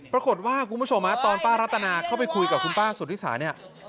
ปรากฏว่าคุณผู้ชมตอนป้ารัตนาเข้าไปคุยกับคุณป้าสุธิษฌา